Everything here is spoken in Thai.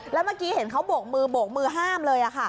แล้วเมื่อกี้เห็นเขาโบกมือโบกมือห้ามเลย